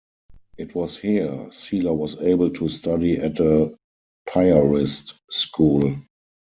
It was here Cela was able to study at a Piarist school.